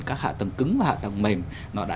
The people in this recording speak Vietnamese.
các hạ tầng cứng và hạ tầng mềm nó đã